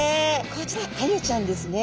こちらアユちゃんですね。